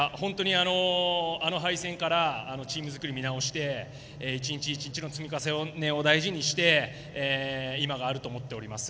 あの敗戦からチーム作りを見直して１日１日の積み重ねを大事にして今があると思っております。